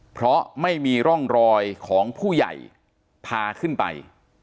เพราะไม่มีร่องรอยของผู้ใหญ่พาขึ้นไป